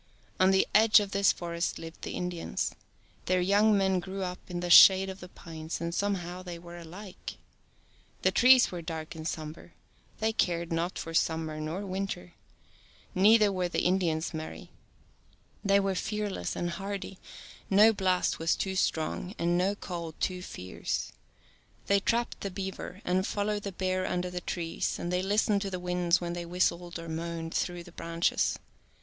On the edge of this forest lived the Indians. Their young men grew up in the shade of the pines, and somehow they were alike. The trees were dark and somber; they cared not for summer nor win ter. Neither were the Indians merry. They were fearless and hardy; no blast was too strong and no cold too fierce. 8i They trapped the beaver, and followed the bear under the trees, and they listened to the winds when they whistled or moaned through the branches.